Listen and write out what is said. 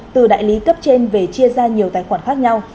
từ đại lý cấp trên về chia ra nhiều tài khoản khác nhau